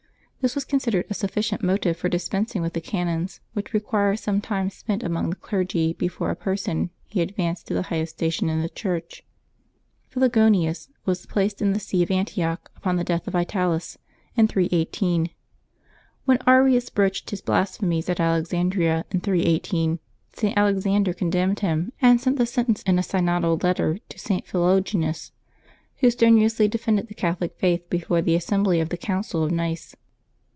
This was considered a sufficient motive for dispensing with the canons, which require some time spent among the clergy before a person be advanced to the highest station in the Church. Philogonius was placed in the see of Antioch, upon the death of Vitalis in December 21] LIVES OF TEE SAINTS 383 318. When Arius broached his blasphemies at Alexandria in 318, St. Alexander condemned him, and sent the sen tence in a synodal letter to St. Philogonius, who strenu ously defended the Catholic faith before the assembly of the Council of Nice.